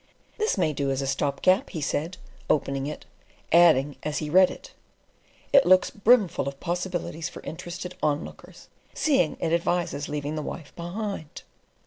"This may do as a stopgap," he said, opening it, adding as he read it, "It looks brimful of possibilities for interested onlookers, seeing it advises leaving the wife behind."